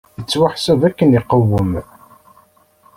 Yettwaḥseb akken iqwem!